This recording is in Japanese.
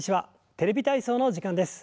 「テレビ体操」の時間です。